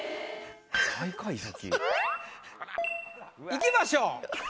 いきましょう。